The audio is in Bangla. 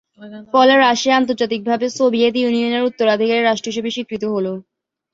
ফলে রাশিয়া আন্তর্জাতিকভাবে সোভিয়েত ইউনিয়নের উত্তরাধিকারী রাষ্ট্র হিসেবে স্বীকৃত হল।